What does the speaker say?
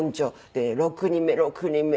で６人目６人目。